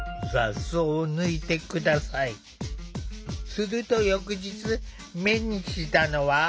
すると翌日目にしたのは。